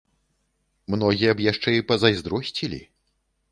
Многія б яшчэ і пазайздросцілі.